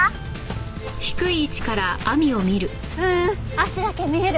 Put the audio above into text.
足だけ見える。